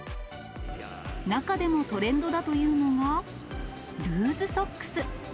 中でもトレンドだというのが、ルーズソックス。